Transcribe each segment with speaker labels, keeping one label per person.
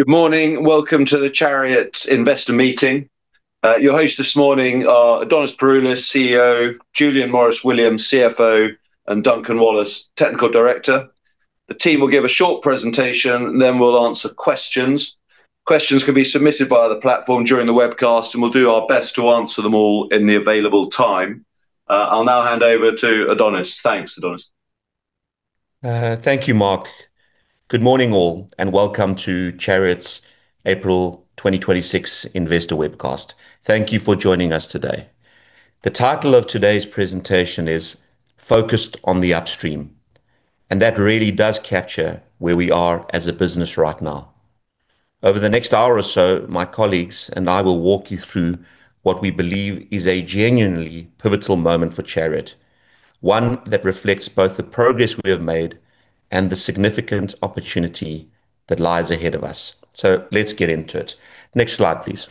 Speaker 1: Good morning. Welcome to the Chariot investor meeting. Your hosts this morning are Adonis Pouroulis, CEO, Julian Maurice-Williams, CFO, and Duncan Wallace, Technical Director. The team will give a short presentation and then we'll answer questions. Questions can be submitted via the platform during the webcast, and we'll do our best to answer them all in the available time. I'll now hand over to Adonis. Thanks, Adonis.
Speaker 2: Thank you, Mark. Good morning all, and welcome to Chariot's April 2026 investor webcast. Thank you for joining us today. The title of today's presentation is Focused on the Upstream, and that really does capture where we are as a business right now. Over the next hour or so, my colleagues and I will walk you through what we believe is a genuinely pivotal moment for Chariot, one that reflects both the progress we have made and the significant opportunity that lies ahead of us. Let's get into it. Next slide, please.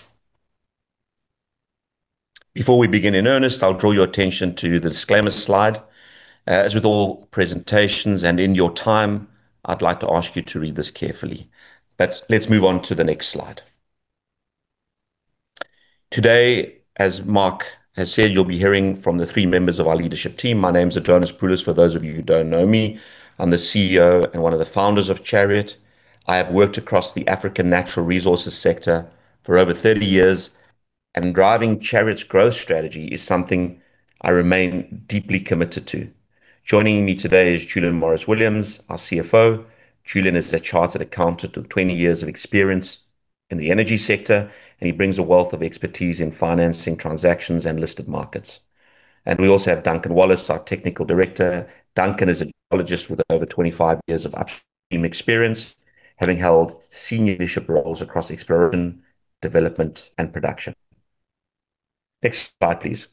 Speaker 2: Before we begin in earnest, I'll draw your attention to the disclaimer slide. As with all presentations and in your time, I'd like to ask you to read this carefully. Let's move on to the next slide. Today, as Mark has said, you'll be hearing from the three members of our leadership team. My name's Adonis Pouroulis, for those of you who don't know me. I'm the CEO and one of the founders of Chariot. I have worked across the African natural resources sector for over 30 years, and driving Chariot's growth strategy is something I remain deeply committed to. Joining me today is Julian Maurice-Williams, our CFO. Julian is a chartered accountant of 20 years of experience in the energy sector, and he brings a wealth of expertise in financing, transactions, and listed markets. We also have Duncan Wallace, our Technical Director. Duncan is a geologist with over 25 years of upstream experience, having held senior leadership roles across exploration, development, and production. Next slide, please.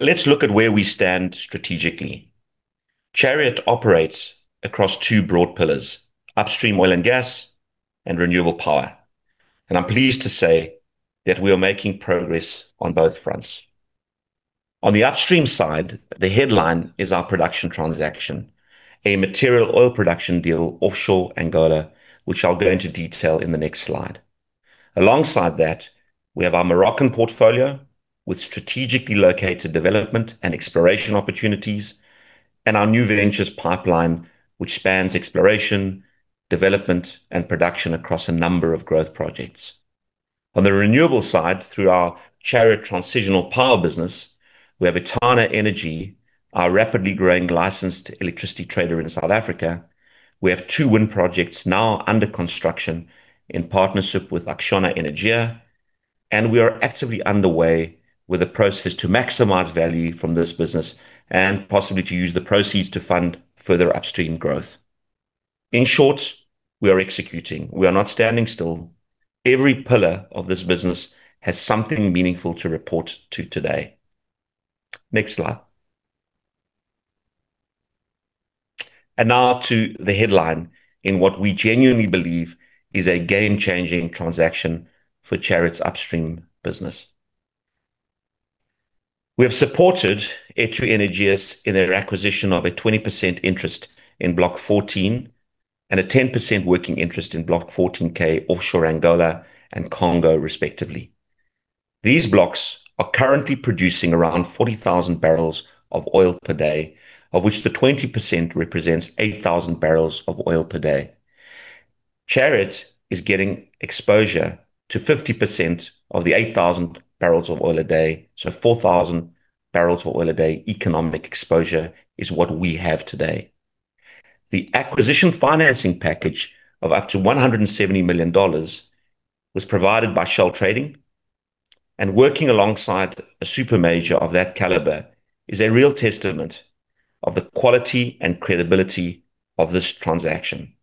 Speaker 2: Let's look at where we stand strategically. Chariot operates across two broad pillars, upstream oil and gas and renewable power. I'm pleased to say that we are making progress on both fronts. On the upstream side, the headline is our production transaction, a material oil production deal offshore Angola, which I'll go into detail in the next slide. Alongside that, we have our Moroccan portfolio with strategically located development and exploration opportunities, and our new ventures pipeline, which spans exploration, development, and production across a number of growth projects. On the renewable side, through our Chariot Transitional Power business, we have Etana Energy, our rapidly growing licensed electricity trader in South Africa. We have two wind projects now under construction in partnership with ACCIONA Energía, and we are actively underway with the process to maximize value from this business and possibly to use the proceeds to fund further upstream growth. In short, we are executing. We are not standing still. Every pillar of this business has something meaningful to report today. Next slide. Now to the headline in what we genuinely believe is a game-changing transaction for Chariot's upstream business. We have supported etu energias in their acquisition of a 20% interest in Block 14 and a 10% working interest in Block 14K offshore Angola and Congo respectively. These blocks are currently producing around 40,000 barrels of oil per day, of which the 20% represents 8,000 barrels of oil per day. Chariot is getting exposure to 50% of the 8,000 barrels of oil a day, so 4,000 barrels of oil a day economic exposure is what we have today. The acquisition financing package of up to $170 million was provided by Shell Trading, and working alongside a super major of that caliber is a real testament of the quality and credibility of this transaction.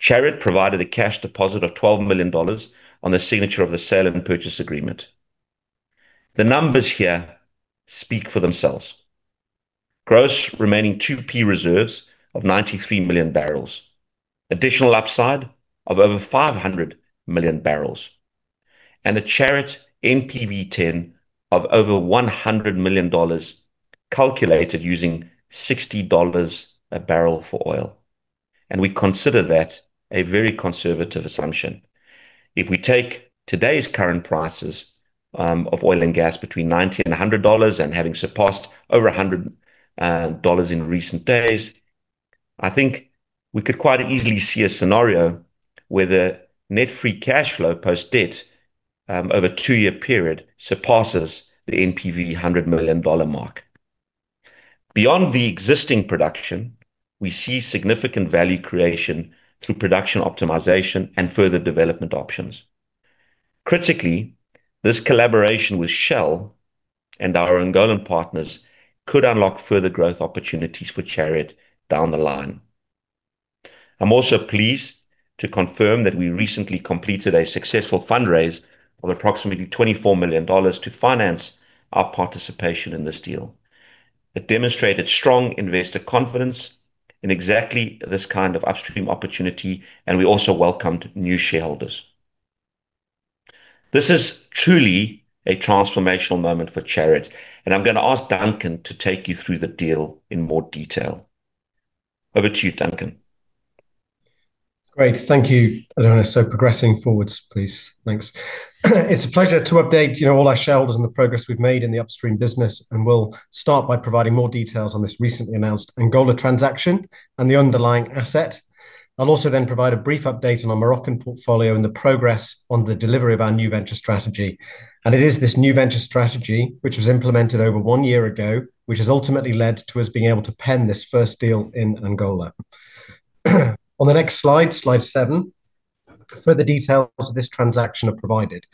Speaker 2: Chariot provided a cash deposit of $12 million on the signature of the sale and purchase agreement. The numbers here speak for themselves. Gross remaining 2P reserves of 93 million barrels, additional upside of over 500 million barrels, and a Chariot NPV10 of over $100 million, calculated using $60 a barrel for oil. We consider that a very conservative assumption. If we take today's current prices of oil and gas between $90 and $100 and having surpassed over $100 in recent days, I think we could quite easily see a scenario where the net free cash flow post-debt over a two-year period surpasses the NPV $100 million mark. Beyond the existing production, we see significant value creation through production optimization and further development options. Critically, this collaboration with Shell and our Angolan partners could unlock further growth opportunities for Chariot down the line. I'm also pleased to confirm that we recently completed a successful fundraise of approximately $24 million to finance our participation in this deal. It demonstrated strong investor confidence in exactly this kind of upstream opportunity and we also welcomed new shareholders. This is truly a transformational moment for Chariot, and I'm going to ask Duncan to take you through the deal in more detail. Over to you, Duncan.
Speaker 3: Great. Thank you, Adonis. Progressing forward, please. Thanks. It's a pleasure to update all our shareholders on the progress we've made in the upstream business, and we'll start by providing more details on this recently announced Angola transaction and the underlying asset. I'll also then provide a brief update on our Moroccan portfolio and the progress on the delivery of our new venture strategy. It is this new venture strategy, which was implemented over one year ago, which has ultimately led to us being able to penned this first deal in Angola. On the next slide seven, further details of this transaction are provided.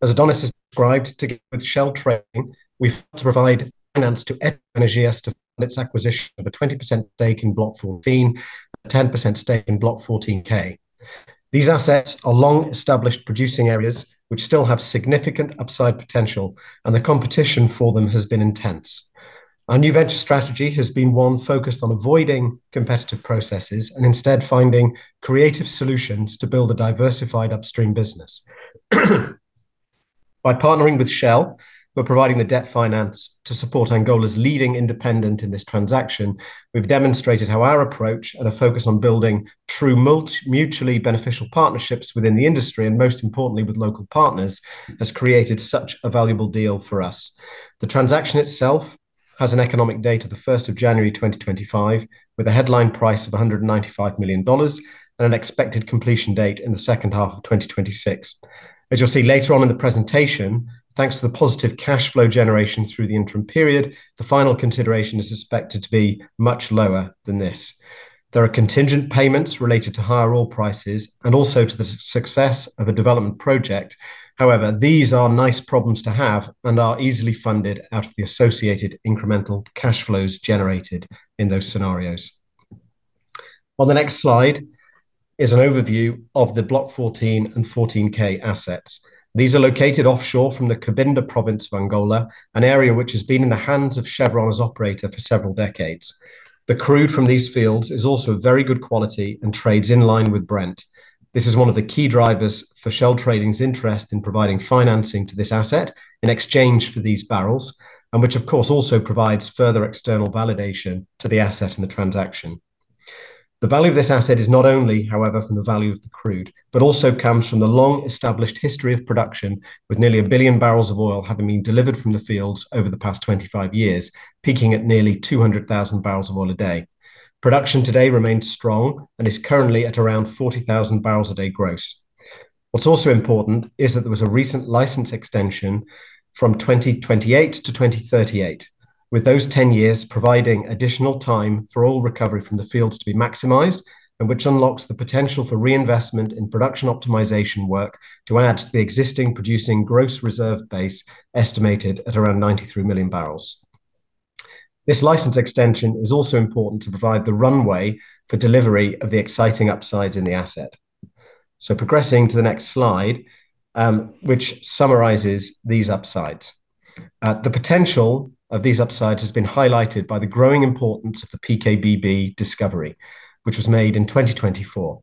Speaker 3: As Adonis described, together with Shell Trading, we've to provide finance to etu energias to its acquisition of a 20% stake in Block 14, a 10% stake in Block 14K. These assets are long-established producing areas, which still have significant upside potential, and the competition for them has been intense. Our new venture strategy has been one focused on avoiding competitive processes and instead finding creative solutions to build a diversified upstream business. By partnering with Shell, we're providing the debt finance to support Angola's leading independent in this transaction. We've demonstrated how our approach and a focus on building true mutually beneficial partnerships within the industry, and most importantly with local partners, has created such a valuable deal for us. The transaction itself has an economic date of the 1st of January 2025, with a headline price of $195 million and an expected completion date in the second half of 2026. As you'll see later on in the presentation, thanks to the positive cash flow generation through the interim period, the final consideration is expected to be much lower than this. There are contingent payments related to higher oil prices and also to the success of a development project. However, these are nice problems to have and are easily funded out of the associated incremental cash flows generated in those scenarios. On the next slide is an overview of the Block 14 and 14K assets. These are located offshore from the Cabinda province of Angola, an area which has been in the hands of Chevron as operator for several decades. The crude from these fields is also very good quality and trades in line with Brent. This is one of the key drivers for Shell Trading's interest in providing financing to this asset in exchange for these barrels, and which of course also provides further external validation to the asset and the transaction. The value of this asset is not only, however, from the value of the crude, but also comes from the long-established history of production, with nearly 1 billion barrels of oil having been delivered from the fields over the past 25 years, peaking at nearly 200,000 barrels of oil a day. Production today remains strong and is currently at around 40,000 barrels a day gross. What's also important is that there was a recent license extension from 2028 to 2038, with those 10 years providing additional time for all recovery from the fields to be maximized, and which unlocks the potential for reinvestment in production optimization work to add to the existing producing gross reserve base, estimated at around 93 million barrels. This license extension is also important to provide the runway for delivery of the exciting upsides in the asset. Progressing to the next slide, which summarizes these upsides. The potential of these upsides has been highlighted by the growing importance of the PKBB discovery, which was made in 2024.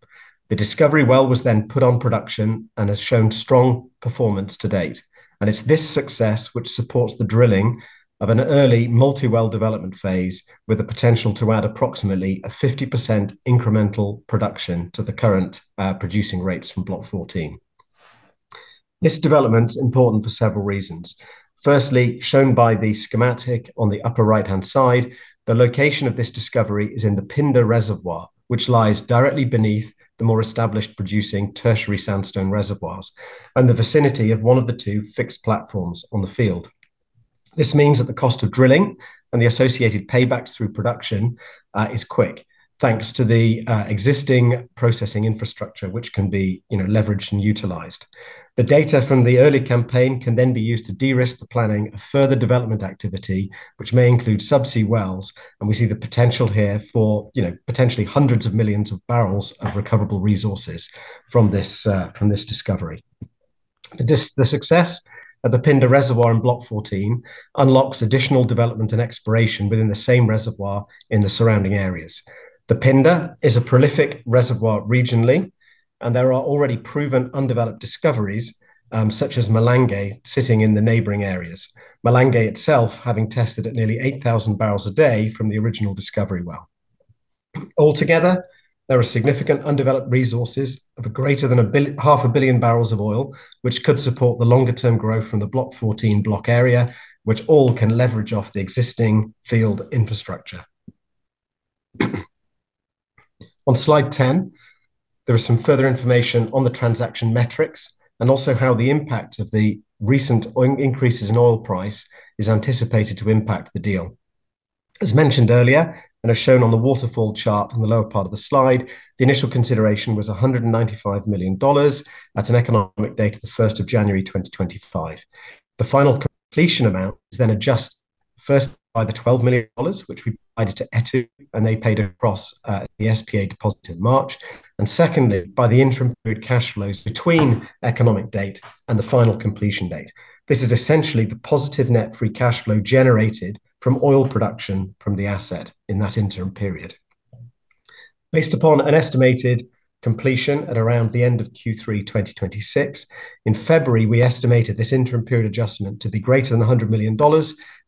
Speaker 3: The discovery well was then put on production and has shown strong performance to date. It's this success which supports the drilling of an early multi-well development phase with the potential to add approximately 50% incremental production to the current producing rates from Block 14. This development's important for several reasons. Firstly, shown by the schematic on the upper right-hand side, the location of this discovery is in the Pinda reservoir, which lies directly beneath the more established producing Tertiary sandstone reservoirs and the vicinity of one of the two fixed platforms on the field. This means that the cost of drilling and the associated paybacks through production is quick, thanks to the existing processing infrastructure, which can be leveraged and utilized. The data from the early campaign can then be used to de-risk the planning of further development activity, which may include subsea wells, and we see the potential here for potentially hundreds of millions of barrels of recoverable resources from this discovery. The success of the Pinda reservoir in Block 14 unlocks additional development and exploration within the same reservoir in the surrounding areas. The Pinda is a prolific reservoir regionally, and there are already proven undeveloped discoveries, such as Malange, sitting in the neighboring areas. Malange itself having tested at nearly 8,000 barrels a day from the original discovery well. Altogether, there are significant undeveloped resources of greater than half a billion barrels of oil, which could support the longer-term growth from the Block 14 block area, which all can leverage off the existing field infrastructure. On slide 10, there is some further information on the transaction metrics and also how the impact of the recent increases in oil price is anticipated to impact the deal. As mentioned earlier, and as shown on the waterfall chart on the lower part of the slide, the initial consideration was $195 million at an economic date of the 1st of January 2025. The final completion amount is then adjusted first by the $12 million, which we provided to etu, and they paid across the SPA deposit in March, and secondly, by the interim period cash flows between economic date and the final completion date. This is essentially the positive net free cash flow generated from oil production from the asset in that interim period. Based upon an estimated completion at around the end of Q3 2026. In February, we estimated this interim period adjustment to be greater than $100 million,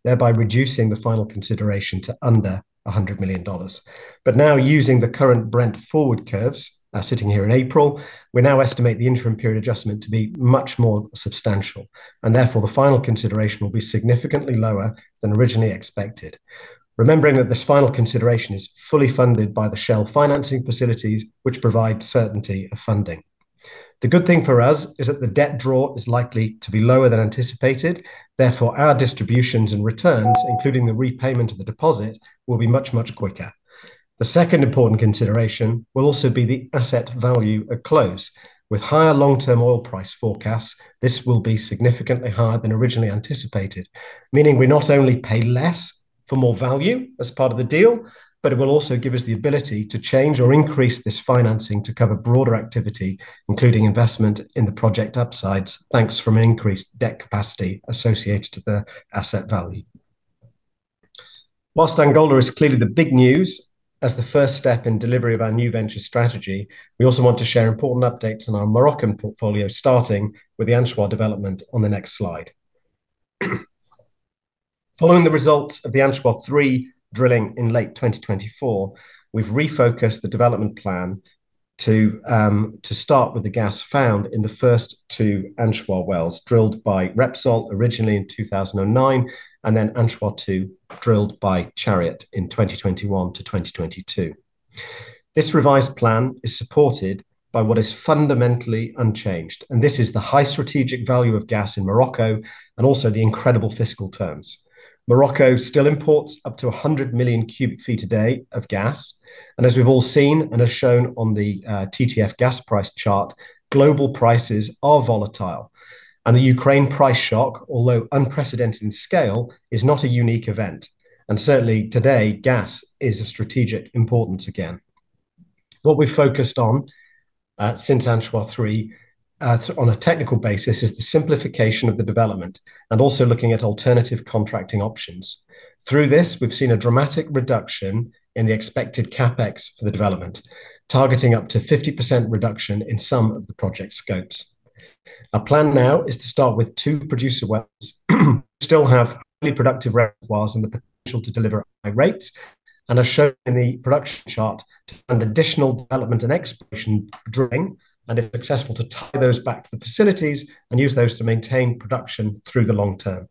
Speaker 3: thereby reducing the final consideration to under $100 million. Now using the current Brent forward curves, sitting here in April, we now estimate the interim period adjustment to be much more substantial, and therefore the final consideration will be significantly lower than originally expected. Remembering that this final consideration is fully funded by the Shell financing facilities, which provide certainty of funding. The good thing for us is that the debt draw is likely to be lower than anticipated, therefore, our distributions and returns, including the repayment of the deposit, will be much, much quicker. The second important consideration will also be the asset value at close. With higher long-term oil price forecasts, this will be significantly higher than originally anticipated, meaning we not only pay less for more value as part of the deal, but it will also give us the ability to change or increase this financing to cover broader activity, including investment in the project upsides, thanks to an increased debt capacity associated to the asset value. While Angola is clearly the big news as the first step in delivery of our new venture strategy, we also want to share important updates on our Moroccan portfolio, starting with the Anchois development on the next slide. Following the results of the Anchois-3 drilling in late 2024, we've refocused the development plan to start with the gas found in the first two Anchois wells drilled by Repsol originally in 2009, and then Anchois-2, drilled by Chariot in 2021-2022. This revised plan is supported by what is fundamentally unchanged, and this is the high strategic value of gas in Morocco, and also the incredible fiscal terms. Morocco still imports up to 100 million cu ft a day of gas, and as we've all seen and as shown on the TTF gas price chart, global prices are volatile, and the Ukraine price shock, although unprecedented in scale, is not a unique event. Certainly today, gas is of strategic importance again. What we've focused on since Anchois-3, on a technical basis, is the simplification of the development and also looking at alternative contracting options. Through this, we've seen a dramatic reduction in the expected CapEx for the development, targeting up to 50% reduction in some of the project scopes. Our plan now is to start with two producer wells, which still have highly productive reservoirs and the potential to deliver high rates, and as shown in the production chart, to fund additional development and exploration drilling, and if successful, to tie those back to the facilities and use those to maintain production through the long term.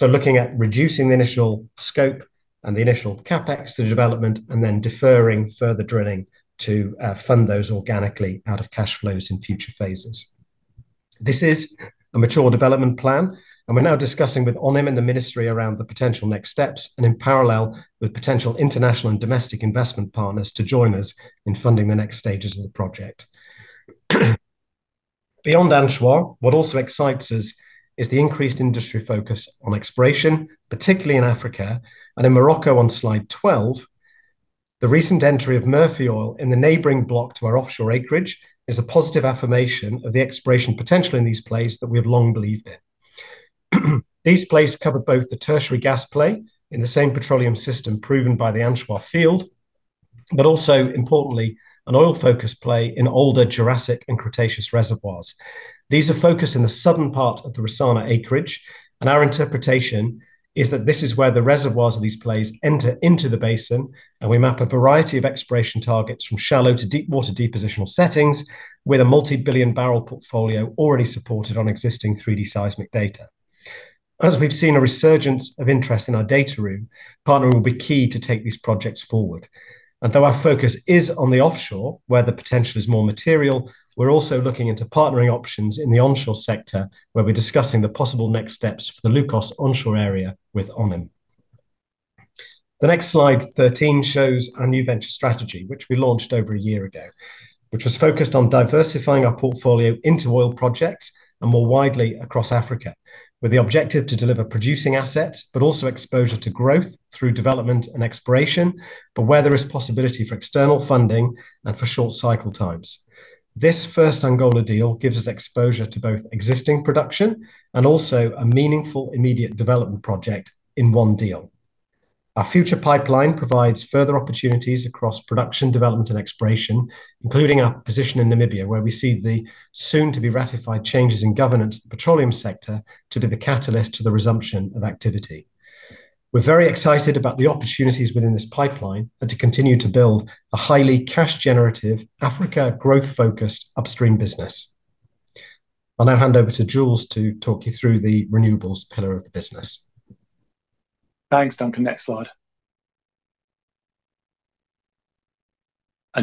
Speaker 3: Looking at reducing the initial scope and the initial CapEx through development, and then deferring further drilling to fund those organically out of cash flows in future phases. This is a mature development plan, and we're now discussing with ONHYM and the Ministry around the potential next steps, and in parallel with potential international and domestic investment partners to join us in funding the next stages of the project. Beyond Anchois, what also excites us is the increased industry focus on exploration, particularly in Africa and in Morocco. On slide 12, the recent entry of Murphy Oil in the neighboring block to our offshore acreage is a positive affirmation of the exploration potential in these plays that we have long believed in. These plays cover both the Tertiary gas play in the same petroleum system proven by the Anchois field, but also importantly, an oil-focused play in older Jurassic and Cretaceous reservoirs. These are focused in the southern part of the Rissana acreage, and our interpretation is that this is where the reservoirs of these plays enter into the basin, and we map a variety of exploration targets from shallow to deep water depositional settings with a multi-billion barrel portfolio already supported on existing 3D seismic data. As we've seen a resurgence of interest in our data room, partnering will be key to take these projects forward. Though our focus is on the offshore, where the potential is more material, we're also looking into partnering options in the onshore sector, where we're discussing the possible next steps for the Loukos onshore area with ONHYM. The next slide, 13, shows our new venture strategy, which we launched over a year ago, which was focused on diversifying our portfolio into oil projects and more widely across Africa, with the objective to deliver producing assets, but also exposure to growth through development and exploration, but where there is possibility for external funding and for short cycle times. This first Angola deal gives us exposure to both existing production and also a meaningful immediate development project in one deal. Our future pipeline provides further opportunities across production, development, and exploration, including our position in Namibia, where we see the soon to be ratified changes in governance of the petroleum sector to be the catalyst to the resumption of activity. We're very excited about the opportunities within this pipeline and to continue to build a highly cash generative, Africa growth-focused upstream business. I'll now hand over to Jules to talk you through the renewables pillar of the business.
Speaker 4: Thanks, Duncan. Next slide.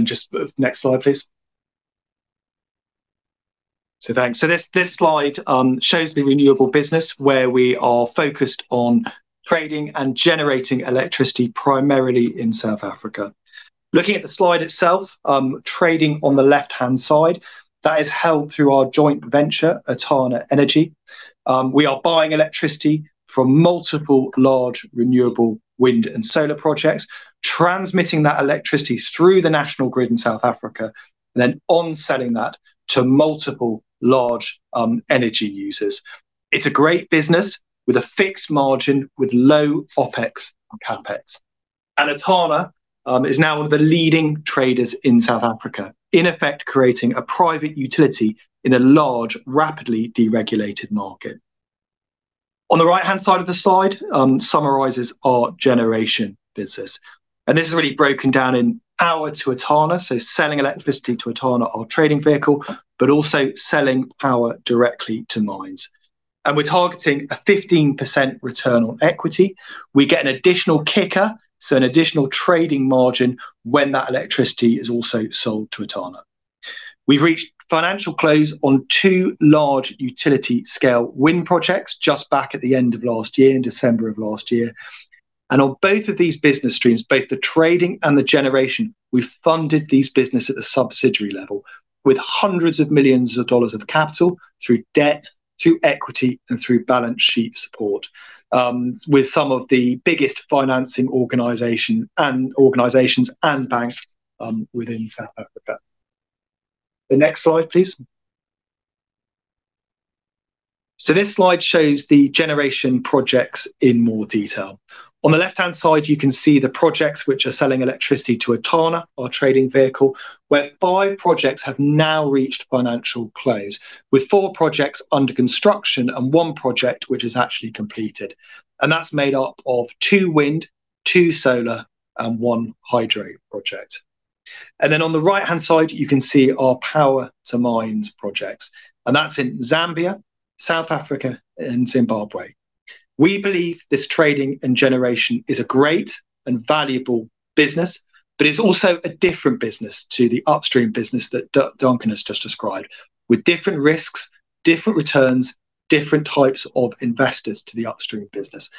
Speaker 4: Just next slide, please. Thanks. This slide shows the renewable business, where we are focused on trading and generating electricity primarily in South Africa. Looking at the slide itself, trading on the left-hand side, that is held through our joint venture, Etana Energy. We are buying electricity from multiple large renewable wind and solar projects, transmitting that electricity through the national grid in South Africa, and then on-selling that to multiple large energy users. It's a great business with a fixed margin, with low OpEx and CapEx. Etana is now one of the leading traders in South Africa, in effect, creating a private utility in a large, rapidly deregulated market. On the right-hand side of the slide summarizes our generation business. This is really broken down in power to Etana, so selling electricity to Etana, our trading vehicle, but also selling power directly to mines. We're targeting a 15% return on equity. We get an additional kicker, so an additional trading margin when that electricity is also sold to Etana. We've reached financial close on two large utility scale wind projects just back at the end of last year, in December of last year. On both of these business streams, both the trading and the generation, we funded these business at the subsidiary level with hundreds of millions of capital through debt, through equity, and through balance sheet support, with some of the biggest financing organization and organizations and banks within South Africa. The next slide, please. This slide shows the generation projects in more detail. On the left-hand side, you can see the projects which are selling electricity to Etana, our trading vehicle, where five projects have now reached financial close, with four projects under construction and one project which is actually completed. That's made up of two wind, two solar, and one hydro project. Then on the right-hand side, you can see our power to mines projects. That's in Zambia, South Africa, and Zimbabwe. We believe this trading and generation is a great and valuable business, but it's also a different business to the upstream business that Duncan has just described with different risks, different returns, different types of investors to the upstream business.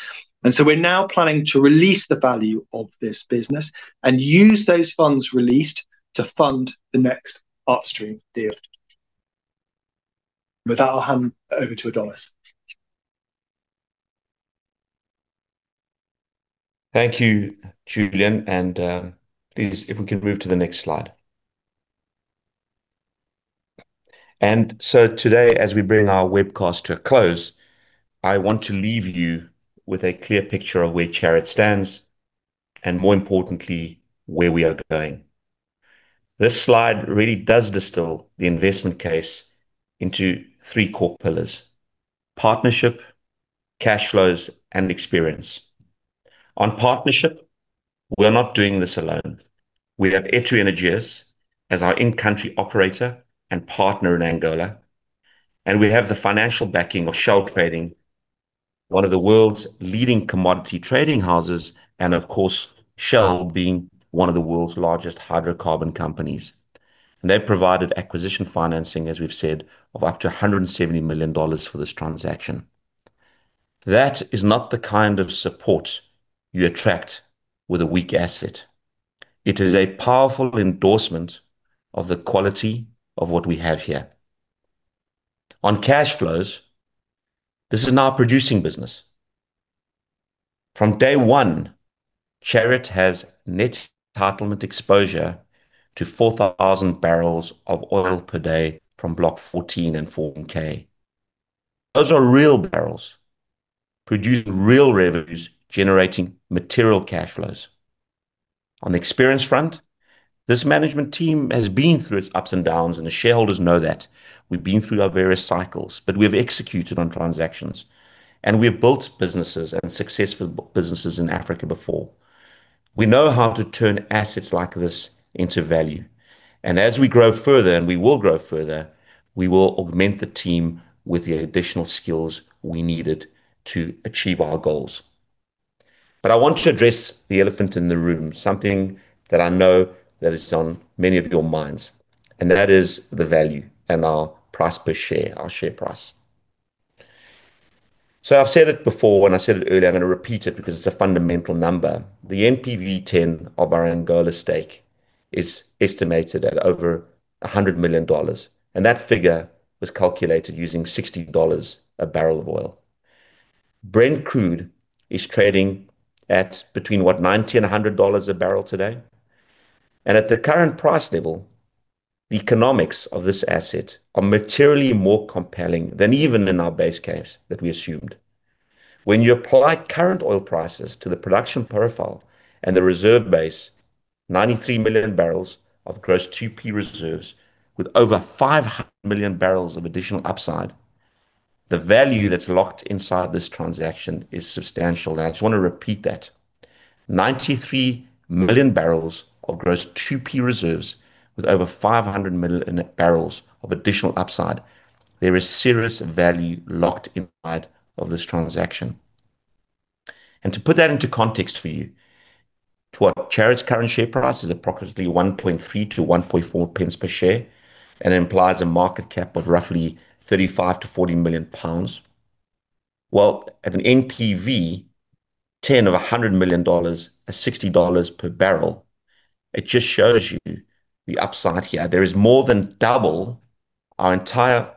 Speaker 4: We're now planning to release the value of this business and use those funds released to fund the next upstream deal. With that, I'll hand over to Adonis.
Speaker 2: Thank you, Julian. Please, if we can move to the next slide. Today, as we bring our webcast to a close, I want to leave you with a clear picture of where Chariot stands and more importantly, where we are going. This slide really does distill the investment case into three core pillars. Partnership, cash flows, and experience. On partnership, we're not doing this alone. We have etu energias as our in-country operator and partner in Angola, and we have the financial backing of Shell Trading, one of the world's leading commodity trading houses, and of course, Shell being one of the world's largest hydrocarbon companies. They provided acquisition financing, as we've said, of up to $170 million for this transaction. That is not the kind of support you attract with a weak asset. It is a powerful endorsement of the quality of what we have here. On cash flows, this is now a producing business. From day one, Chariot has net entitlement exposure to 4,000 barrels of oil per day from Block 14 and 14K. Those are real barrels, producing real revenues, generating material cash flows. On the experience front, this management team has been through its ups and downs, and the shareholders know that. We've been through our various cycles, but we've executed on transactions, and we have built businesses and successful businesses in Africa before. We know how to turn assets like this into value. As we grow further, and we will grow further, we will augment the team with the additional skills we needed to achieve our goals. I want to address the elephant in the room, something that I know that is on many of your minds, and that is the value and our price per share, our share price. I've said it before, and I said it earlier, I'm going to repeat it because it's a fundamental number. The NPV10 of our Angola stake is estimated at over $100 million, and that figure was calculated using $60 a barrel of oil. Brent crude is trading at between, what, $90 and $100 a barrel today. At the current price level, the economics of this asset are materially more compelling than even in our base case that we assumed. When you apply current oil prices to the production profile and the reserve base, 93 million barrels of gross 2P reserves with over 500 million barrels of additional upside, the value that's locked inside this transaction is substantial. I just want to repeat that. 93 million barrels of gross 2P reserves with over 500 million barrels of additional upside. There is serious value locked inside of this transaction. To put that into context for you, as to what Chariot's current share price is approximately 0.013-0.014 per share and implies a market cap of roughly 35 million-40 million pounds. Well, at an NPV10 of $100 million at $60 per barrel, it just shows you the upside here. There is more than double our entire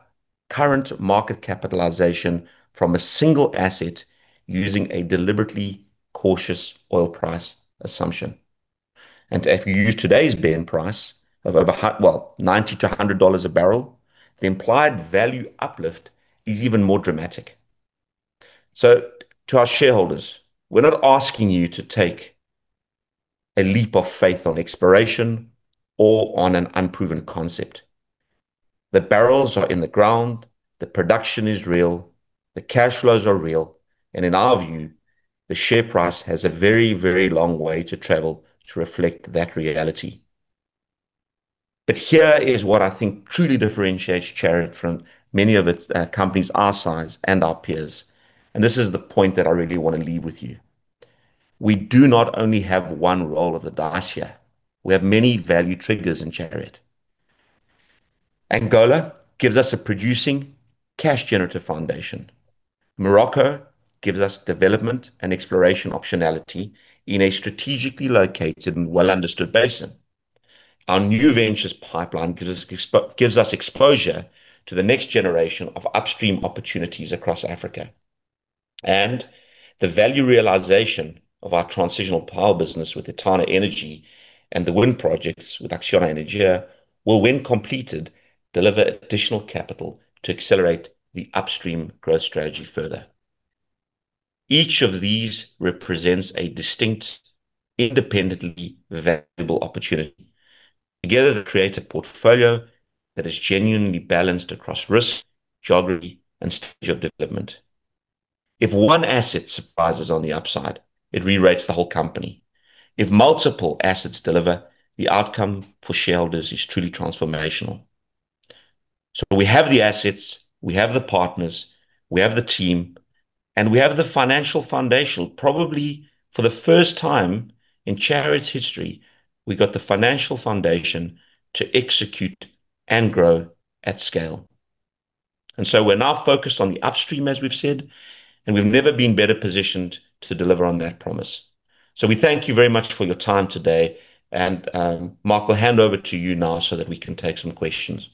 Speaker 2: current market capitalization from a single asset using a deliberately cautious oil price assumption. If you use today's Brent price of over, well, $90-$100 a barrel, the implied value uplift is even more dramatic. To our shareholders, we're not asking you to take a leap of faith on exploration or on an unproven concept. The barrels are in the ground, the production is real, the cash flows are real, and in our view, the share price has a very, very long way to travel to reflect that reality. Here is what I think truly differentiates Chariot from many of its companies our size and our peers. This is the point that I really want to leave with you. We do not only have one roll of the dice here. We have many value triggers in Chariot. Angola gives us a producing cash generative foundation. Morocco gives us development and exploration optionality in a strategically located and well-understood basin. Our new ventures pipeline gives us exposure to the next generation of upstream opportunities across Africa. The value realization of our transitional power business with Etana Energy and the wind projects with ACCIONA Energía will, when completed, deliver additional capital to accelerate the upstream growth strategy further. Each of these represents a distinct, independently valuable opportunity. Together, they create a portfolio that is genuinely balanced across risk, geography, and stage of development. If one asset surprises on the upside, it re-rates the whole company. If multiple assets deliver, the outcome for shareholders is truly transformational. We have the assets, we have the partners, we have the team, and we have the financial foundation. Probably for the first time in Chariot's history, we've got the financial foundation to execute and grow at scale. We're now focused on the upstream, as we've said, and we've never been better positioned to deliver on that promise. We thank you very much for your time today. Mark, I'll hand over to you now so that we can take some questions.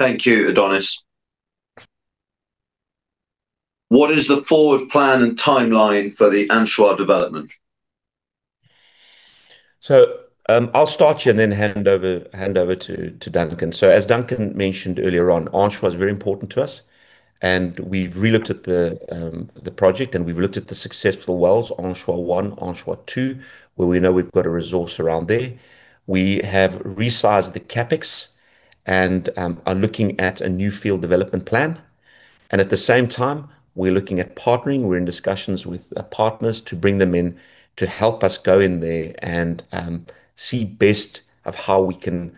Speaker 1: Thank you, Adonis. What is the forward plan and timeline for the Anchois development?
Speaker 2: I'll start here and then hand over to Duncan. As Duncan mentioned earlier on, Anchois is very important to us, and we've re-looked at the project and we've looked at the successful wells, Anchois-1, Anchois-2, where we know we've got a resource around there. We have resized the CapEx and are looking at a new field development plan. At the same time, we're looking at partnering. We're in discussions with partners to bring them in to help us go in there and see best of how we can,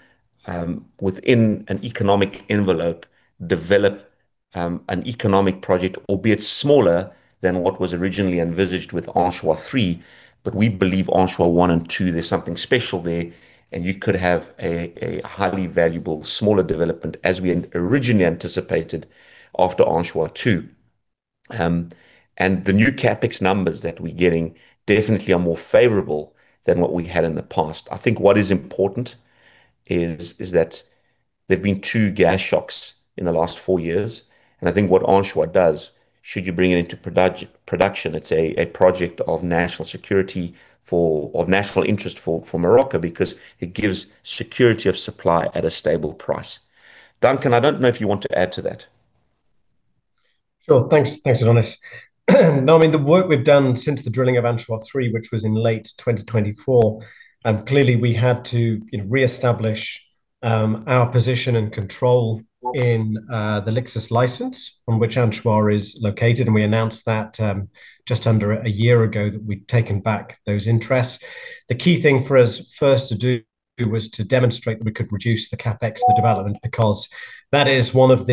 Speaker 2: within an economic envelope, develop an economic project, albeit smaller than what was originally envisaged with Anchois-3. We believe Anchois-1 and 2, there's something special there, and you could have a highly valuable smaller development as we had originally anticipated after Anchois-2. The new CapEx numbers that we're getting definitely are more favorable than what we had in the past. I think what is important is that there've been two gas shocks in the last four years, and I think what Anchois does, should you bring it into production, it's a project of national security or of national interest for Morocco because it gives security of supply at a stable price. Duncan, I don't know if you want to add to that.
Speaker 3: Sure. Thanks, Adonis. No, I mean, the work we've done since the drilling of Anchois-3, which was in late 2024. Clearly we had to reestablish our position and control in the Lixus license on which Anchois is located, and we announced that just under a year ago that we'd taken back those interests. The key thing for us first to do was to demonstrate that we could reduce the CapEx of the development because that is one of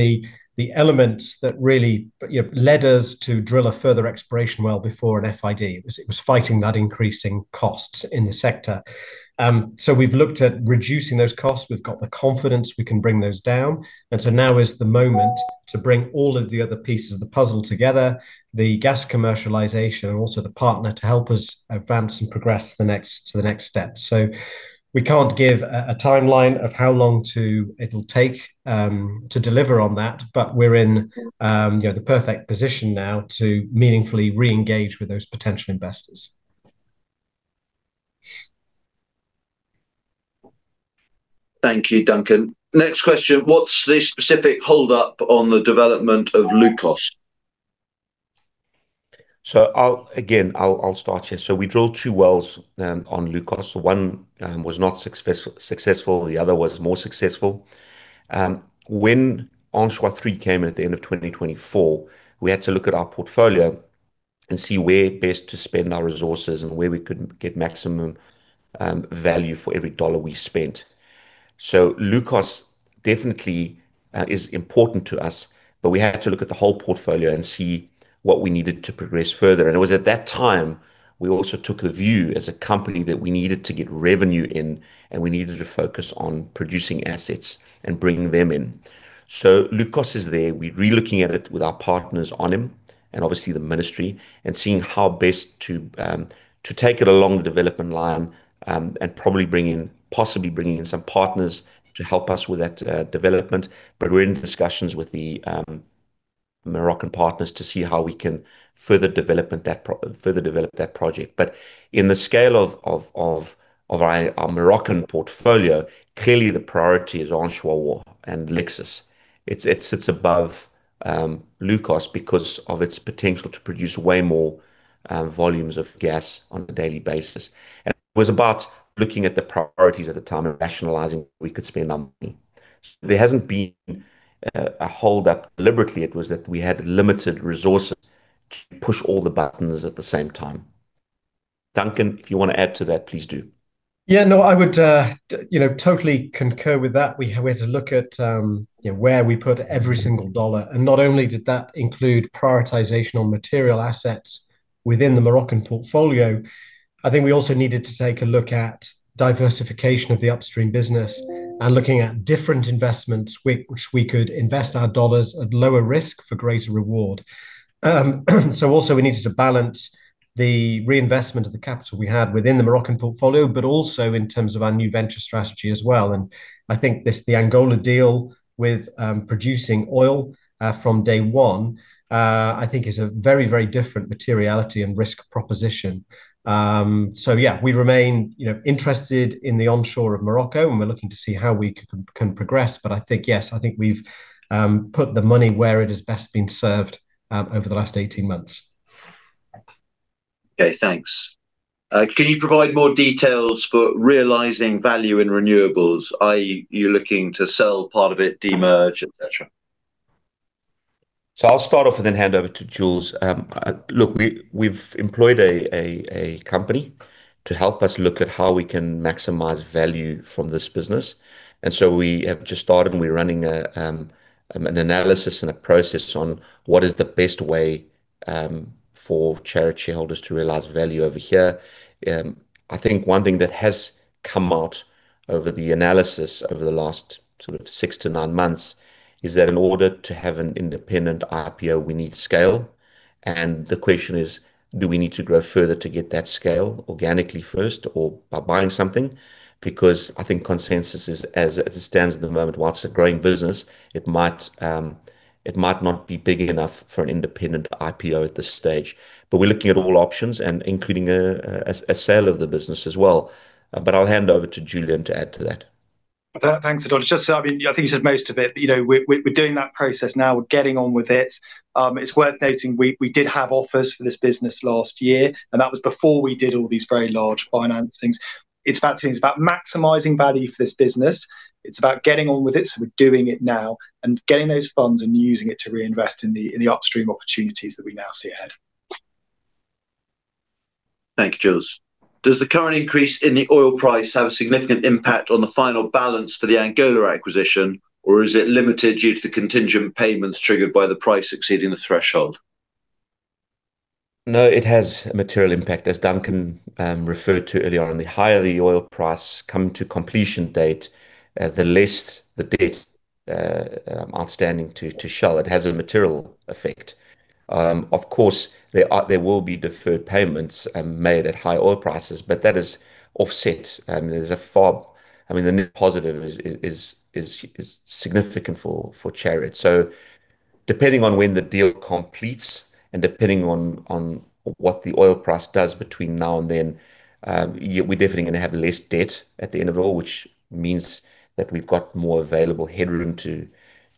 Speaker 3: the elements that really led us to drill a further exploration well before an FID. It was fighting that increasing costs in the sector. We've looked at reducing those costs. We've got the confidence we can bring those down. Now is the moment to bring all of the other pieces of the puzzle together, the gas commercialization and also the partner to help us advance and progress to the next step. We can't give a timeline of how long it'll take to deliver on that, but we're in the perfect position now to meaningfully re-engage with those potential investors.
Speaker 1: Thank you, Duncan. Next question. What's the specific hold-up on the development of Loukos?
Speaker 2: Again, I'll start here. We drilled two wells on Loukos. One was not successful, the other was more successful. When Anchois-3 came in at the end of 2024, we had to look at our portfolio and see where best to spend our resources and where we could get maximum value for every dollar we spent. Loukos definitely is important to us, but we had to look at the whole portfolio and see what we needed to progress further. It was at that time, we also took a view as a company that we needed to get revenue in, and we needed to focus on producing assets and bringing them in. Loukos is there. We're relooking at it with our partners, ONHYM, and obviously the ministry, and seeing how best to take it along the development line, and probably possibly bringing in some partners to help us with that development. We're in discussions with the Moroccan partners to see how we can further develop that project. In the scale of our Moroccan portfolio, clearly the priority is Anchois and Lixus. It sits above Loukos because of its potential to produce way more volumes of gas on a daily basis. It was about looking at the priorities at the time and rationalizing where we could spend our money. There hasn't been a hold-up deliberately. It was that we had limited resources to push all the buttons at the same time. Duncan, if you want to add to that, please do.
Speaker 3: Yeah, no, I would totally concur with that. We had to look at where we put every single dollar. Not only did that include prioritization on material assets within the Moroccan portfolio, I think we also needed to take a look at diversification of the upstream business and looking at different investments which we could invest our dollars at lower risk for greater reward. Also we needed to balance the reinvestment of the capital we had within the Moroccan portfolio, but also in terms of our new venture strategy as well. I think the Angola deal with producing oil from day one, I think is a very, very different materiality and risk proposition. Yeah, we remain interested in the onshore of Morocco, and we're looking to see how we can progress. I think, yes, I think we've put the money where it has best been served over the last 18 months.
Speaker 1: Okay, thanks. Can you provide more details for realizing value in renewables, i.e., you looking to sell part of it, de-merge, et cetera?
Speaker 2: I'll start off and then hand over to Jules. Look, we've employed a company to help us look at how we can maximize value from this business. We have just started, and we're running an analysis and a process on what is the best way for Chariot shareholders to realize value over here. I think one thing that has come out over the analysis over the last sort of 6-9 months is that in order to have an independent IPO, we need scale. The question is, do we need to grow further to get that scale organically first or by buying something? Because I think consensus is, as it stands at the moment, whilst a growing business, it might not be big enough for an independent IPO at this stage. We're looking at all options and including a sale of the business as well. I'll hand over to Julian to add to that.
Speaker 4: Thanks, Adonis. I think you said most of it. We're doing that process now. We're getting on with it. It's worth noting we did have offers for this business last year, and that was before we did all these very large financings. It's about maximizing value for this business. It's about getting on with it, so we're doing it now and getting those funds and using it to reinvest in the upstream opportunities that we now see ahead.
Speaker 1: Thank you, Jules. Does the current increase in the oil price have a significant impact on the final balance for the Angola acquisition, or is it limited due to the contingent payments triggered by the price exceeding the threshold?
Speaker 2: No, it has a material impact, as Duncan referred to earlier on. The higher the oil price coming to completion date, the less the debt outstanding to Shell. It has a material effect. Of course, there will be deferred payments made at high oil prices, but that is offset. There's a FOB. I mean, the net positive is significant for Chariot. So depending on when the deal completes and depending on what the oil price does between now and then, we're definitely going to have less debt at the end of it all, which means that we've got more available headroom to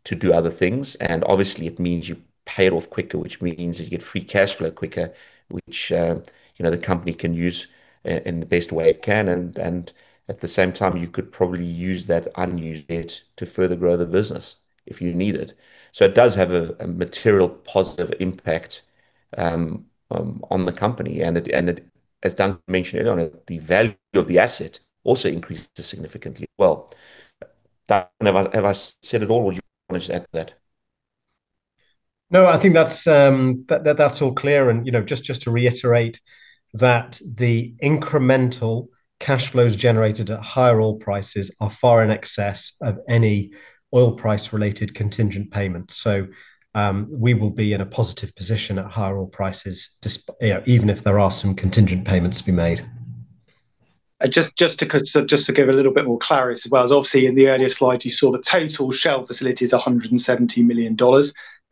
Speaker 2: do other things. Obviously, it means you pay it off quicker, which means you get free cash flow quicker, which the company can use in the best way it can. At the same time, you could probably use that unused debt to further grow the business if you need it. It does have a material positive impact on the company. As Duncan mentioned earlier on, the value of the asset also increases significantly. Well, Duncan, have I said it all, or would you like to add to that?
Speaker 3: No, I think that's all clear. Just to reiterate that the incremental cash flows generated at higher oil prices are far in excess of any oil price-related contingent payments. We will be in a positive position at higher oil prices, even if there are some contingent payments to be made.
Speaker 4: Just to give a little bit more clarity as well. Obviously, in the earlier slide, you saw the total Shell facility is $170 million.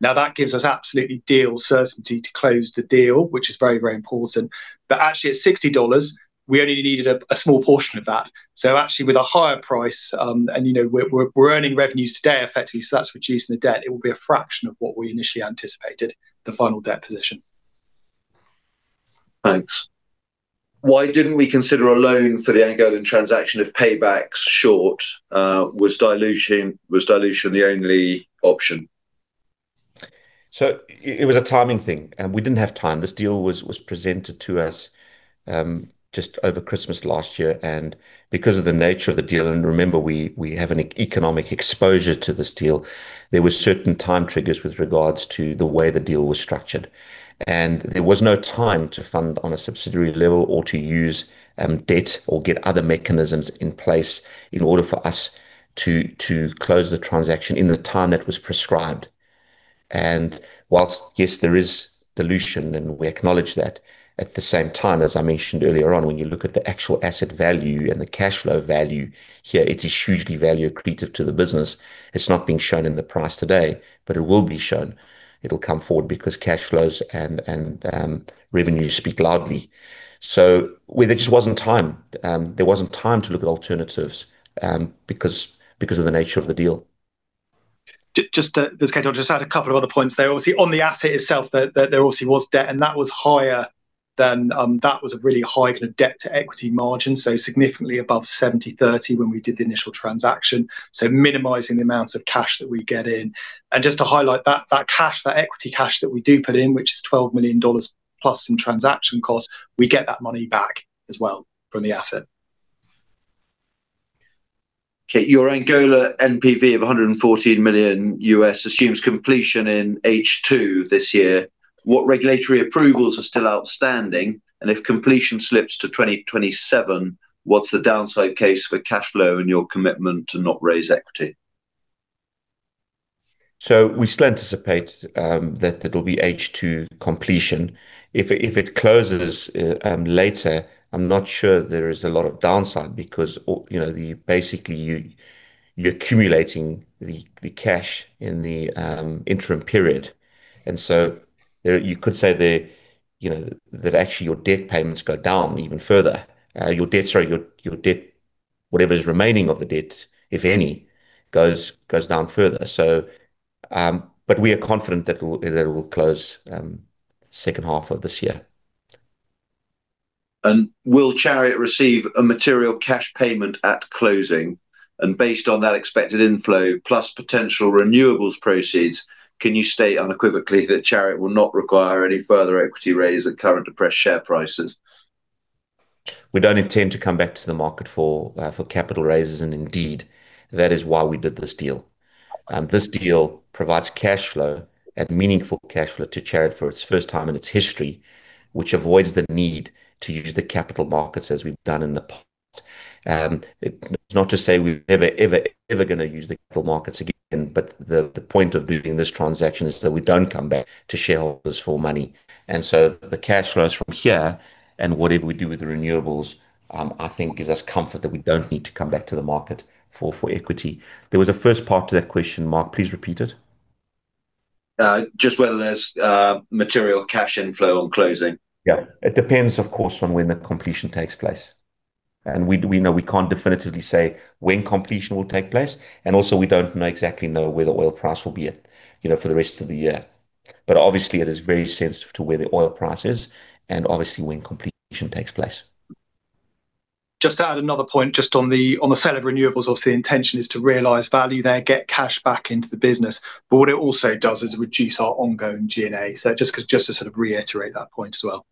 Speaker 4: Now, that gives us absolutely deal certainty to close the deal, which is very, very important. Actually, at $60, we only needed a small portion of that. Actually, with a higher price, and we're earning revenues today effectively, so that's reducing the debt. It will be a fraction of what we initially anticipated, the final debt position.
Speaker 1: Thanks. Why didn't we consider a loan for the Angolan transaction if payback's short? Was dilution the only option?
Speaker 2: It was a timing thing, and we didn't have time. This deal was presented to us just over Christmas last year, and because of the nature of the deal, and remember, we have an economic exposure to this deal. There were certain time triggers with regards to the way the deal was structured. There was no time to fund on a subsidiary level or to use debt or get other mechanisms in place in order for us to close the transaction in the time that was prescribed. Whilst, yes, there is dilution and we acknowledge that, at the same time, as I mentioned earlier on, when you look at the actual asset value and the cash flow value here, it is hugely value accretive to the business. It's not being shown in the price today, but it will be shown. It will come forward because cash flows and revenues speak loudly. There just wasn't time. There wasn't time to look at alternatives and because of the nature of the deal.
Speaker 4: Just to, there's kind of just a couple of other points there. Obviously, on the asset itself, there obviously was debt, and that was a really high kind of debt-to-equity margin, significantly above 70/30 when we did the initial transaction. Minimizing the amount of cash that we get in. Just to highlight that cash, that equity cash that we do put in, which is $12 million plus some transaction costs, we get that money back as well from the asset.
Speaker 1: Okay. Your Angola NPV of $114 million assumes completion in H2 this year. What regulatory approvals are still outstanding? And if completion slips to 2027, what's the downside case for cash flow and your commitment to not raise equity?
Speaker 2: We still anticipate that it'll be H2 completion. If it closes later, I'm not sure there is a lot of downside because, basically, you're accumulating the cash in the interim period. There you could say that actually your debt payments go down even further. Your debt, sorry. Whatever is remaining of the debt, if any, goes down further. We are confident that it will close second half of this year.
Speaker 1: Will Chariot receive a material cash payment at closing? Based on that expected inflow plus potential renewables proceeds, can you state unequivocally that Chariot will not require any further equity raise at current depressed share prices?
Speaker 2: We don't intend to come back to the market for capital raises, and indeed, that is why we did this deal. This deal provides cash flow and meaningful cash flow to Chariot for its first time in its history, which avoids the need to use the capital markets as we've done in the past. Not to say we're never, ever going to use the capital markets again, but the point of doing this transaction is that we don't come back to shareholders for money. The cash flows from here and whatever we do with the renewables, I think gives us comfort that we don't need to come back to the market for equity. There was a first part to that question, Mark. Please repeat it.
Speaker 1: Just whether there's material cash inflow on closing.
Speaker 2: Yeah. It depends, of course, on when the completion takes place. We know we can't definitively say when completion will take place, and also we don't know exactly where the oil price will be at for the rest of the year. Obviously it is very sensitive to where the oil price is and obviously when completion takes place.
Speaker 4: Just to add another point just on the sale of renewables. Obviously, the intention is to realize value there, get cash back into the business. What it also does is reduce our ongoing G&A, so just to sort of reiterate that point as well.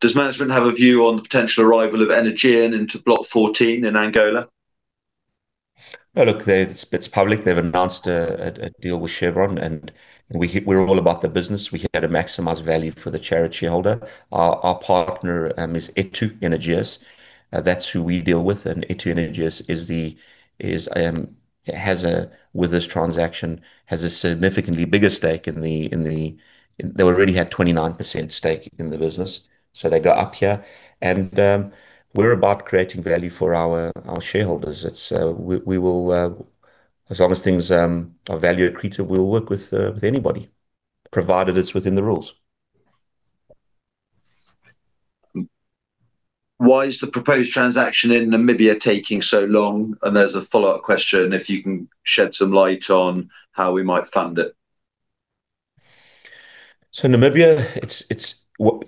Speaker 1: Does management have a view on the potential arrival of Energean into Block 14 in Angola?
Speaker 2: Look, it's public. They've announced a deal with Chevron, and we're all about the business. We are here to maximize value for the Chariot shareholder. Our partner is etu energias. That's who we deal with, and etu energias, with this transaction, has a significantly bigger stake in the business. They already had a 29% stake in the business. They go up here and we're about creating value for our shareholders. As long as things are value accretive, we'll work with anybody, provided it's within the rules.
Speaker 1: Why is the proposed transaction in Namibia taking so long? There's a follow-up question if you can shed some light on how we might fund it.
Speaker 2: Namibia,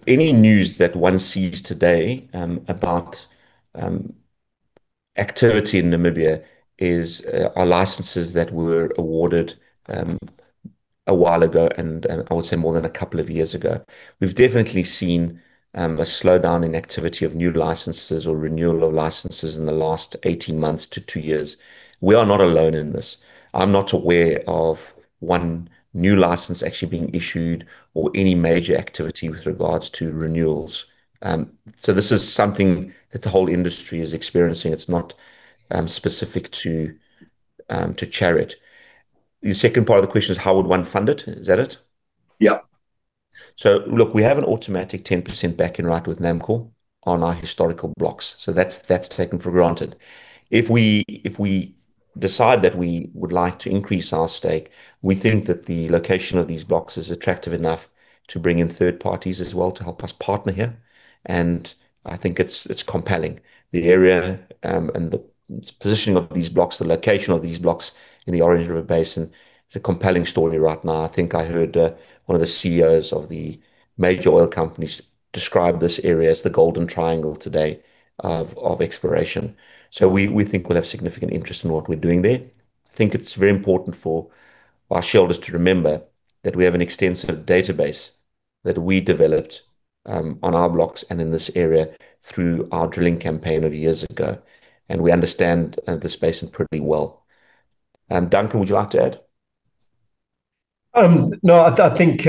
Speaker 2: any news that one sees today, about activity in Namibia is our licenses that were awarded a while ago, and I would say more than a couple of years ago. We've definitely seen a slowdown in activity of new licenses or renewal of licenses in the last 18 months to two years. We are not alone in this. I'm not aware of one new license actually being issued or any major activity with regards to renewals. This is something that the whole industry is experiencing. It's not specific to Chariot. The second part of the question is how would one fund it? Is that it?
Speaker 1: Yeah.
Speaker 2: Look, we have an automatic 10% back-in right with NAMCOR on our historical blocks. That's taken for granted. If we decide that we would like to increase our stake, we think that the location of these blocks is attractive enough to bring in third parties as well to help us partner here. I think it's compelling. The area, and the positioning of these blocks, the location of these blocks in the Orange Basin is a compelling story right now. I think I heard, one of the CEOs of the major oil companies describe this area as the Golden Triangle today of exploration. We think we'll have significant interest in what we're doing there. I think it's very important for our shareholders to remember that we have an extensive database that we developed on our blocks and in this area through our drilling campaign of years ago. We understand the space pretty well. Duncan, would you like to add?
Speaker 3: No, I think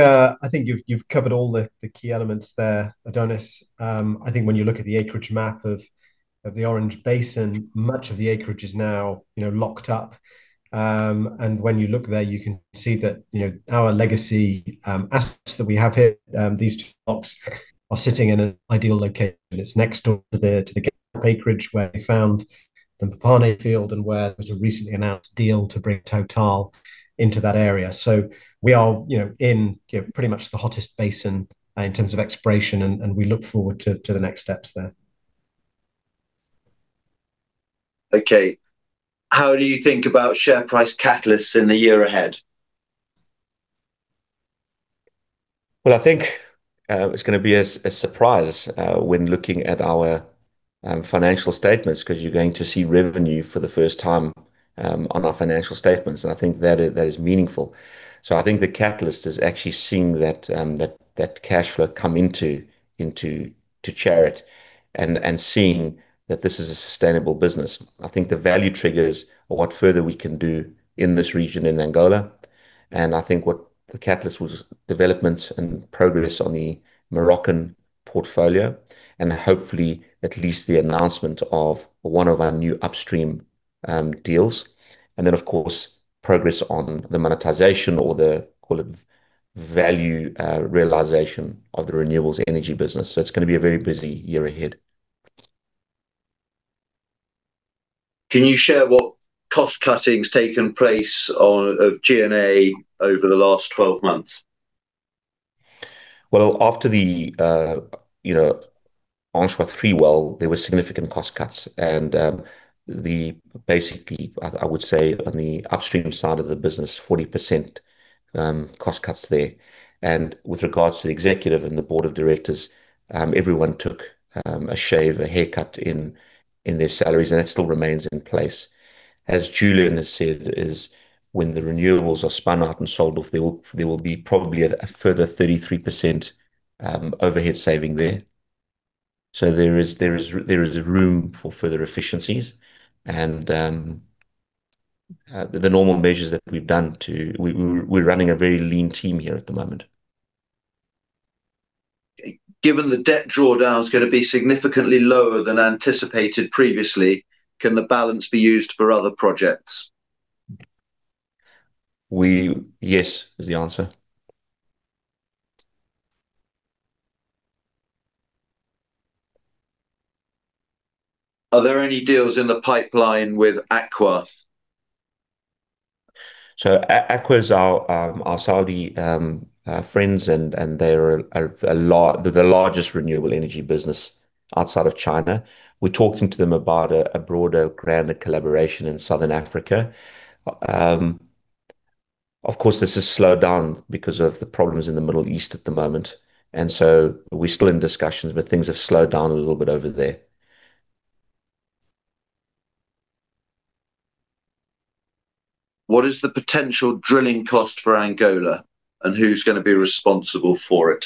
Speaker 3: you've covered all the key elements there, Adonis. I think when you look at the acreage map of the Orange Basin, much of the acreage is now locked up. When you look there, you can see that our legacy assets that we have here, these two blocks are sitting in an ideal location. It's next door to the acreage where we found the [Pepane] field and where there was a recently announced deal to bring Total into that area. We are in pretty much the hottest basin in terms of exploration, and we look forward to the next steps there.
Speaker 1: Okay. How do you think about share price catalysts in the year ahead?
Speaker 2: Well, I think it's going to be a surprise when looking at our financial statements because you're going to see revenue for the first time on our financial statements, and I think that is meaningful. I think the catalyst is actually seeing that cash flow come into Chariot and seeing that this is a sustainable business. I think the value triggers are what further we can do in this region in Angola, and I think what the catalyst was development and progress on the Moroccan portfolio and hopefully at least the announcement of one of our new upstream deals. Then of course, progress on the monetization or the, call it, value realization of the renewables energy business. It's going to be a very busy year ahead.
Speaker 1: Can you share what cost-cutting's taken place of G&A over the last 12 months?
Speaker 2: Well, after the Anchois-3 well, there were significant cost cuts and basically, I would say on the upstream side of the business, 40% cost cuts there. With regards to the executive and the board of directors, everyone took a shave, a haircut in their salaries, and that still remains in place. As Julian has said, it is when the renewables are spun out and sold off, there will be probably a further 33% overhead saving there. There is room for further efficiencies and the normal measures that we've done. We're running a very lean team here at the moment.
Speaker 1: Given the debt drawdown's going to be significantly lower than anticipated previously, can the balance be used for other projects?
Speaker 2: Yes is the answer.
Speaker 1: Are there any deals in the pipeline with ACWA?
Speaker 2: ACWA is our Saudi friends, and they are the largest renewable energy business outside of China. We're talking to them about a broader, grander collaboration in Southern Africa. Of course, this has slowed down because of the problems in the Middle East at the moment, and so we're still in discussions, but things have slowed down a little bit over there.
Speaker 1: What is the potential drilling cost for Angola, and who's going to be responsible for it?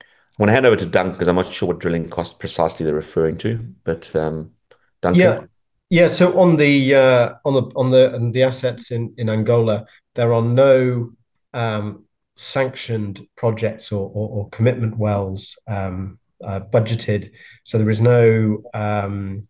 Speaker 2: I'm going to hand over to Duncan because I'm not sure what drilling costs precisely they're referring to. Duncan?
Speaker 3: On the assets in Angola, there are no sanctioned projects or commitment wells budgeted. There is no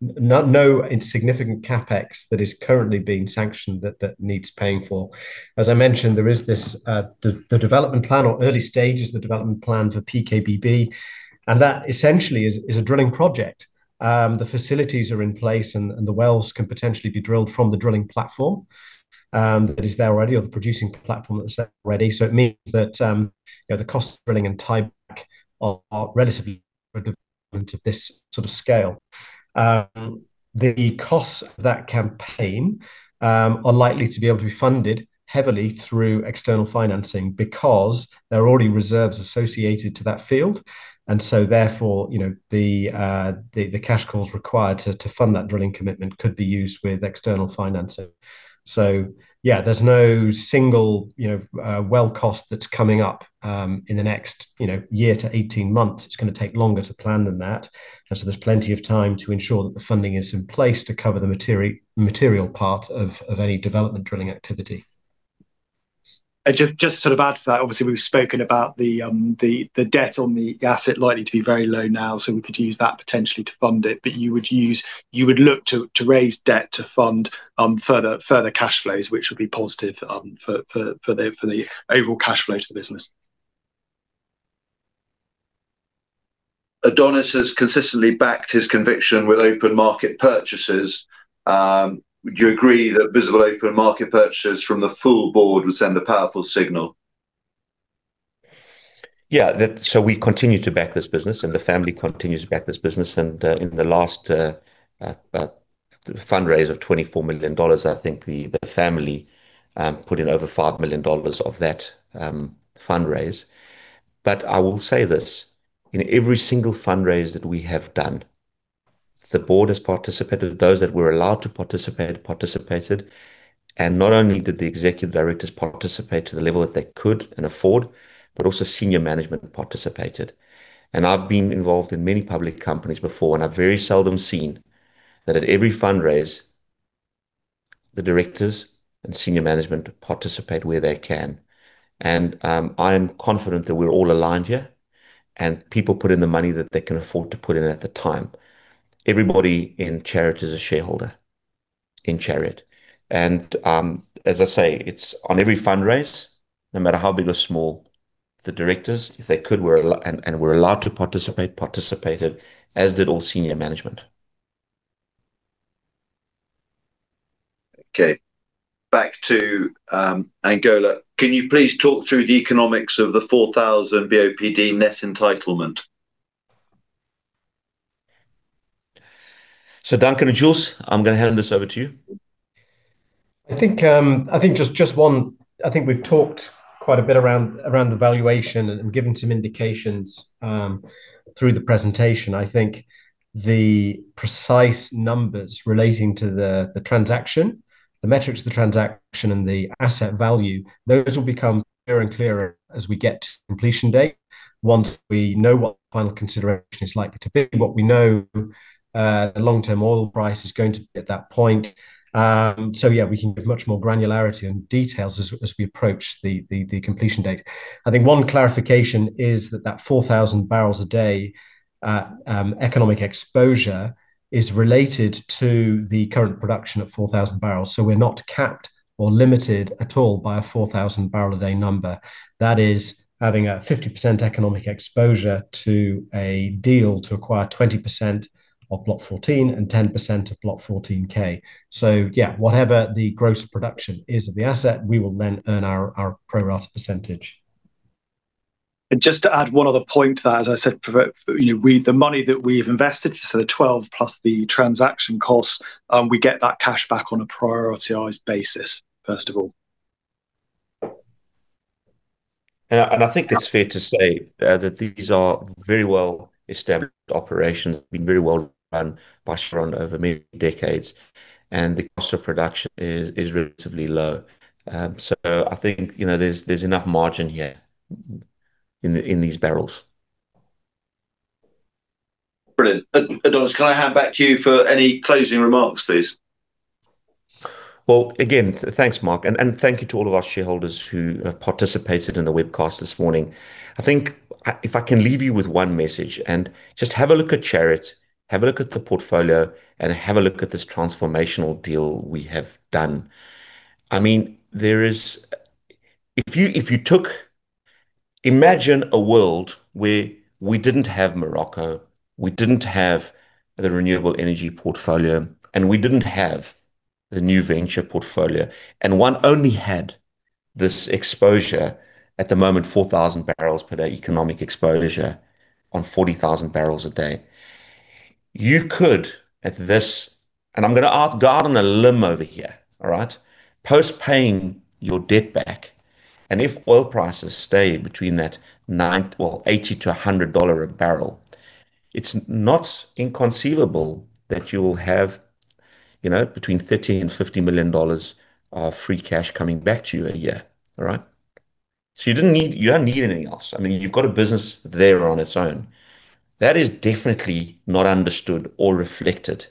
Speaker 3: insignificant CapEx that is currently being sanctioned that needs paying for. As I mentioned, there is the development plan or early stages of the development plan for PKBB, and that essentially is a drilling project. The facilities are in place, and the wells can potentially be drilled from the drilling platform that is there already or the producing platform that's there already. It means that the cost of drilling and time are relatively of this sort of scale. The costs of that campaign are likely to be able to be funded heavily through external financing because there are already reserves associated to that field, and so therefore, the cash calls required to fund that drilling commitment could be used with external financing. Yeah, there's no single well cost that's coming up in the next year to 18 months. It's going to take longer to plan than that. There's plenty of time to ensure that the funding is in place to cover the material part of any development drilling activity.
Speaker 4: Just to add to that, obviously, we've spoken about the debt on the asset likely to be very low now. We could use that potentially to fund it, but you would look to raise debt to fund further cash flows, which would be positive for the overall cash flow to the business.
Speaker 1: Adonis has consistently backed his conviction with open market purchases. Would you agree that visible open market purchases from the full board would send a powerful signal?
Speaker 2: Yeah. We continue to back this business, and the family continues to back this business. In the last fundraise of $24 million, I think the family put in over $5 million of that fundraise. I will say this, in every single fundraise that we have done, the board has participated. Those that were allowed to participate, participated. Not only did the executive directors participate to the level that they could and afford, but also senior management participated. I've been involved in many public companies before, and I've very seldom seen that at every fundraise. The directors and senior management participate where they can and I am confident that we're all aligned here, and people put in the money that they can afford to put in at the time. Everybody in Chariot is a shareholder in Chariot. As I say, it's on every fund raise, no matter how big or small, the directors, if they could and were allowed to participate, participated, as did all senior management.
Speaker 1: Okay. Back to Angola. Can you please talk through the economics of the 4,000 BOPD net entitlement?
Speaker 2: Duncan or Jules, I'm going to hand this over to you.
Speaker 3: I think we've talked quite a bit around the valuation and given some indications through the presentation. I think the precise numbers relating to the transaction, the metrics of the transaction and the asset value, those will become clearer and clearer as we get to completion date, once we know what final consideration is likely to be, what we know the long-term oil price is going to be at that point. Yeah, we can give much more granularity and details as we approach the completion date. I think one clarification is that that 4,000 barrels a day at economic exposure is related to the current production of 4,000 barrels. We're not capped or limited at all by a 4,000 barrel a day number. That is having a 50% economic exposure to a deal to acquire 20% of Block 14 and 10% of Block 14K. Yeah, whatever the gross production is of the asset, we will then earn our pro rata percentage.
Speaker 4: Just to add one other point to that, as I said, the money that we have invested, so the $12 milion plus the transaction costs, we get that cash back on a prioritized basis, first of all.
Speaker 2: I think it's fair to say that these are very well-established operations, been very well run by Shell over many decades, and the cost of production is relatively low. I think, there's enough margin here in these barrels.
Speaker 1: Brilliant. Adonis, can I hand back to you for any closing remarks, please?
Speaker 2: Well, again, thanks, Mark, and thank you to all of our shareholders who have participated in the webcast this morning. I think if I can leave you with one message, and just have a look at Chariot, have a look at the portfolio, and have a look at this transformational deal we have done. Imagine a world where we didn't have Morocco, we didn't have the renewable energy portfolio, and we didn't have the new venture portfolio, and one only had this exposure at the moment, 4,000 barrels per day economic exposure on 40,000 barrels a day. You could, at this, and I'm going to go out on a limb over here. Post-paying your debt back, and if oil prices stay between that $90 or $80-$100 a barrel, it's not inconceivable that you'll have between $30 million-$50 million of free cash coming back to you a year. You don't need anything else. You've got a business there on its own. That is definitely not understood or reflected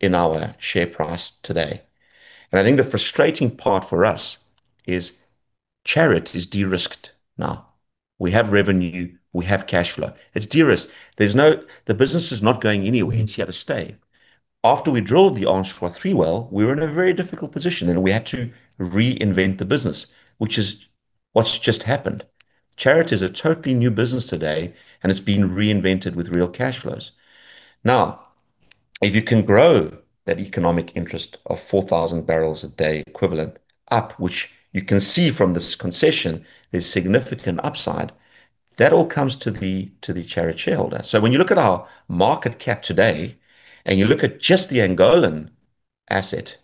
Speaker 2: in our share price today. I think the frustrating part for us is Chariot is de-risked now. We have revenue, we have cash flow. It's de-risked. The business is not going anywhere. It's here to stay. After we drilled the Anchois-3 well, we were in a very difficult position, and we had to reinvent the business, which is what's just happened. Chariot is a totally new business today, and it's been reinvented with real cash flows. Now, if you can grow that economic interest of 4,000 barrels a day equivalent up, which you can see from this concession, there's significant upside. That all comes to the Chariot shareholder. When you look at our market cap today and you look at just the Angolan asset,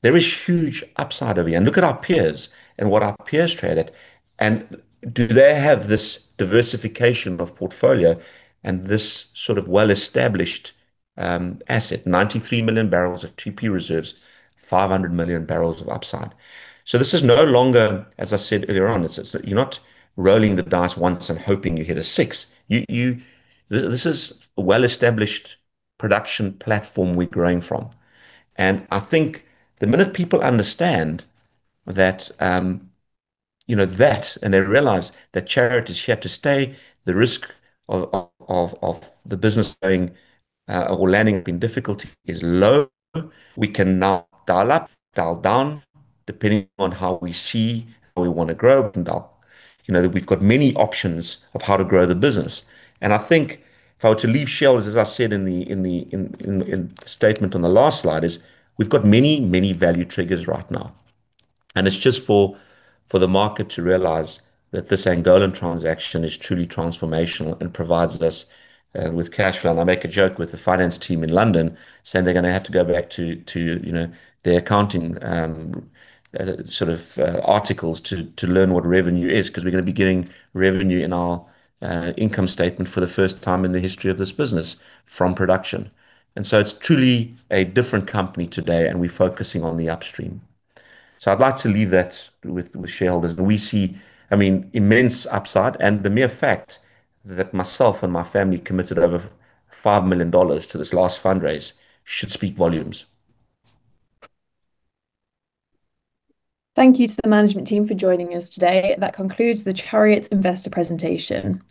Speaker 2: there is huge upside over here. Look at our peers and what our peers trade at. Do they have this diversification of portfolio and this sort of well-established asset, 93 million barrels of 2P reserves, 500 million barrels of upside? This is no longer, as I said earlier on, you're not rolling the dice once and hoping you hit a six. This is a well-established production platform we're growing from. I think the minute people understand that, and they realize that Chariot is here to stay, the risk of the business going or landing up in difficulty is low. We can now dial up, dial down, depending on how we see how we want to grow going forward. We've got many options of how to grow the business. I think if I were to leave shareholders, as I said in the statement on the last slide, is we've got many, many value triggers right now. It's just for the market to realize that this Angolan transaction is truly transformational and provides us with cash flow. I make a joke with the finance team in London saying they're going to have to go back to their accounting sort of articles to learn what revenue is because we're going to be getting revenue in our income statement for the first time in the history of this business from production. It's truly a different company today, and we're focusing on the upstream. I'd like to leave that with shareholders. We see immense upside, and the mere fact that myself and my family committed over $5 million to this last fundraise should speak volumes.
Speaker 5: Thank you to the management team for joining us today. That concludes the Chariot investor presentation.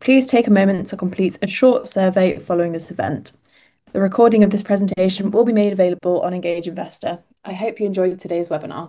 Speaker 5: Please take a moment to complete a short survey following this event. The recording of this presentation will be made available on Engage Investor. I hope you enjoyed today's webinar.